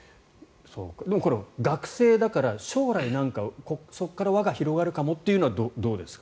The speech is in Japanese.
でも、これは学生だから将来なんか、そこから輪が広がるかもというのはどうですか？